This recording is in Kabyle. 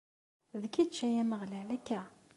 D kečč, ay Ameɣlal, akka?